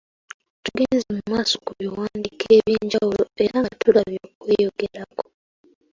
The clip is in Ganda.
Tugenze mu maaso ku biwandiiko eby’enjawulo era nga tulabye okweyogerako. ,